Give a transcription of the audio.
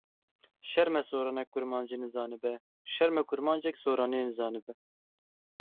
Şerm e soranek kurmancî nizanibe, şerm e kurmancek soranî nizanibe.